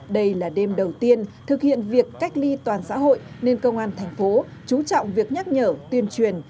đây là đêm đầu tiên thực hiện việc cách ly toàn xã hội nên công an thành phố chú trọng việc nhắc nhở tuyên truyền